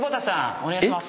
お願いします。